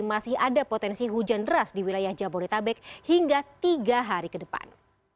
masih ada potensi hujan deras di wilayah jabodetabek hingga tiga hari ke depan